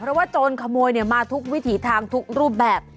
เพราะว่าโจรขโมยมาทุกวิถีทางทุกรูปแบบ